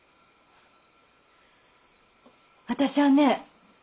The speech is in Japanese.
私はね